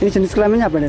ini jenis kelaminnya apa